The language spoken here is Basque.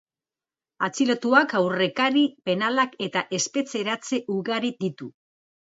Atxilotuak aurrekari penalak eta espetxeratze ugari ditu.